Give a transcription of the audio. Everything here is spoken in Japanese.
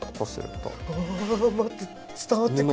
あわわ待って伝わってくる。